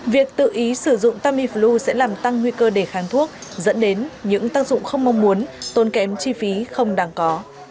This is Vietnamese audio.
việc tự ý sử dụng tamiflu sẽ làm tăng nguy cơ để kháng thuốc dẫn đến những tác dụng không mong muốn tốn kém chi phí không đáng có